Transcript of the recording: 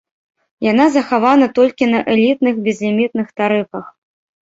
Яна захавана толькі на элітных безлімітных тарыфах.